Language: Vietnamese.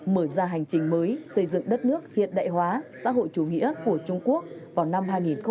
mở ra hành trình mới xây dựng đất nước hiện đại hóa xã hội chủ nghĩa của trung quốc vào năm hai nghìn hai mươi